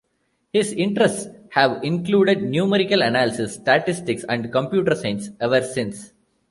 His interests have included numerical analysis, statistics, and computer science ever since.